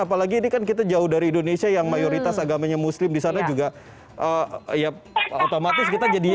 apalagi ini kan kita jauh dari indonesia yang mayoritas agamanya muslim di sana juga ya otomatis kita jadi